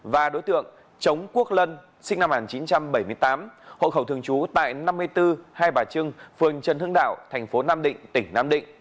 và đối tượng chống quốc lân sinh năm một nghìn chín trăm bảy mươi tám hộ khẩu thường chú tại năm mươi bốn hai bà trưng phường trần hưng đạo tp nam